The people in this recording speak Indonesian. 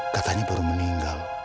katanya baru meninggal